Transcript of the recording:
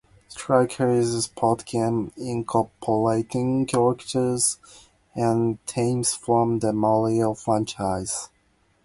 "Strikers" is a sports game incorporating characters and themes from the "Mario" franchise.